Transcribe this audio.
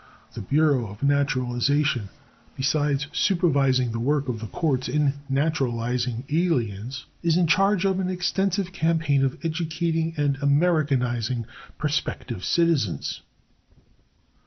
The Bureau of Naturalization, besides supervising the work of the courts in naturalizing aliens, is in charge of an extensive campaign of educating and Americanizing prospective citizens.